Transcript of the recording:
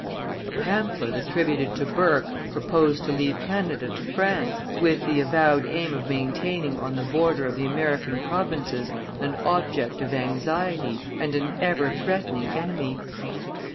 A pamphlet attributed to Burke proposed to leave Canada to France with the avowed aim of maintaining on the border of the American provinces an object of anxiety and an everthreatening enemy.